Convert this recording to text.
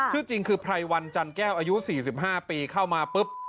ชื่อจริงคือไพรวันจันแก้วอายุ๔๕ปีเข้ามาปุ๊บ